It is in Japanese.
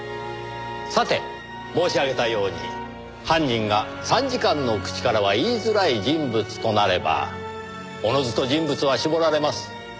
さて申し上げたように犯人が参事官の口からは言いづらい人物となればおのずと人物は絞られます。